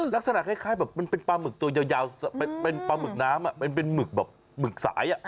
ลักษณะคล้ายแบบมันเป็นปลาหมึกตัวยาวเป็นปลาหมึกน้ำมันเป็นหมึกแบบหมึกสาย